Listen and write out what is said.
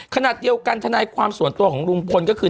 ขณะเดียวกันทนายความส่วนตัวของลุงพลก็คือ